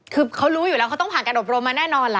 คือเขารู้อยู่แล้วเขาต้องผ่านการอบรมมาแน่นอนล่ะ